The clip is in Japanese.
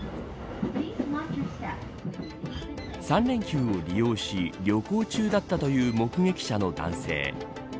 ３連休を利用し旅行中だったという目撃者の男性。